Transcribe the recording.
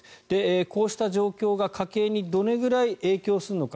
こうした状況が家計にどれくらい影響するのか。